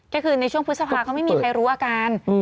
ก็คือในช่วงพฤษภาก็ไม่มีใครรู้อาการ